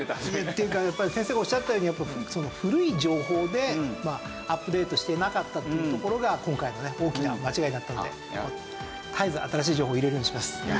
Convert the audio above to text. っていうかやっぱり先生がおっしゃったように古い情報でアップデートしていなかったっていうところが今回の大きな間違いだったので絶えず新しい情報を入れるようにします。